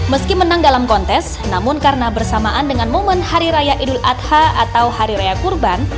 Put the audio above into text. meski menang dalam kontes namun karena bersamaan dengan momen hari raya idul adha atau hari raya kurban